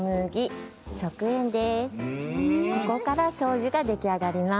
ここからしょうゆができあがります。